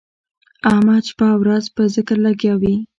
احمد شپه او ورځ په ذکر لګیا وي.